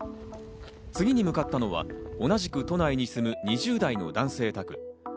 次に向かったのは同じく都内に住む２０代の男性宅。